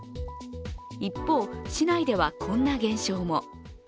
一方、市内ではこんな現象も。